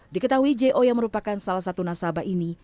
diketahui jo yang merupakan salah satu nasabah ini